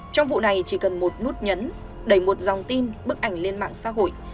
trong vụ này chỉ cần một nút nhấn đẩy một dòng tin bức ảnh lên mạng xã hội